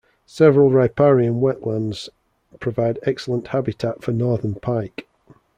Several riparian wetlands provide excellent habitat for northern pike.